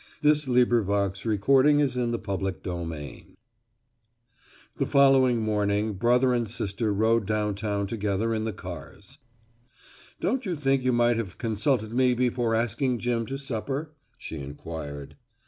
XIV THE PALACE OF THE UNBORN The following morning brother and sister rode down town together in the cars. "Don't you think you might have consulted me before asking Jim to supper?" she inquired.